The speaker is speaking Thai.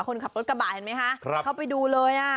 คนขับรถกระบะเห็นไหมคะเข้าไปดูเลยอ่ะ